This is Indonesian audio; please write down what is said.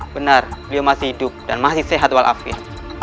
benar dia masih hidup dan masih sehat walafir